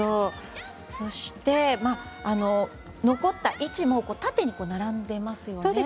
そして、残った位置も縦に並んでいますよね。